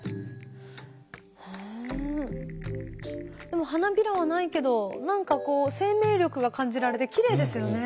でも花びらはないけど何かこう生命力が感じられてきれいですよね。